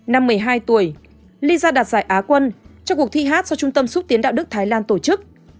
năm một mươi hai tuổi liza đạt giải á quân trong cuộc thi hát do trung tâm xúc tiến đạo đức thái lan tổ chức